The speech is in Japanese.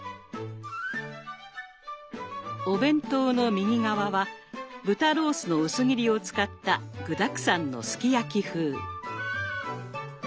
お弁当の右側は豚ロースの薄切りを使った具だくさんのすき焼き風。